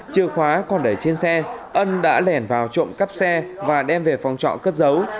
chìa khóa còn để trên xe ân đã lẻn vào trộm cắp xe và đem về phòng trọ cất dấu